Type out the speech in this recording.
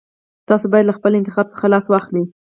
تاسو بايد له خپل دې انتخاب څخه لاس واخلئ.